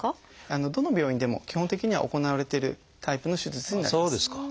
どの病院でも基本的には行われてるタイプの手術になります。